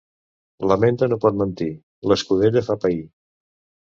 La menta no pot mentir: l'escudella fa pair.